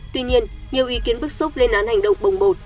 tuy nhiên nhiều ý kiến bức xúc lên án hành động bồng bột